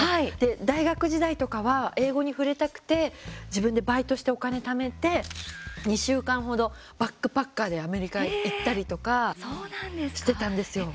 大学時代とかは英語に触れたくて自分でバイトして、お金ためて２週間程、バックパッカーでアメリカ行ったりとかしてたんですよ。